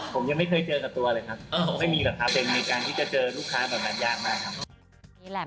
ผมยังไม่เคยเจอกับตัวเลยครับ